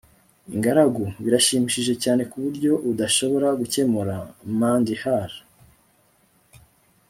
ingaragu - birashimishije cyane ku buryo udashobora gukemura - mandy hale